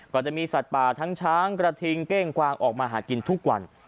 ก็จะมีสัตว์ป่าทั้งช้างกระทิงเก้งกวางออกมาหากินทุกวัน